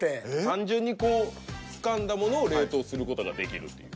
単純にこうつかんだものを冷凍する事ができるっていう。